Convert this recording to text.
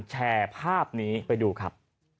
แชร์ภาพนี้ไปดูครับ